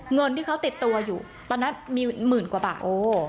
เงินที่เขาติดตัวอยู่ตอนนั้นมีหมื่นกว่าบาท